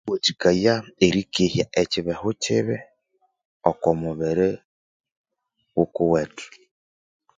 Wathikaya erikehya ekyibehu kyibi oko mubiri wukuwethu.